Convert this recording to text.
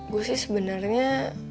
gue sih sebenarnya